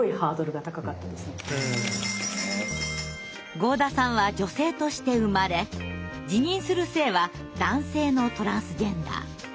合田さんは女性として生まれ自認する性は男性のトランスジェンダー。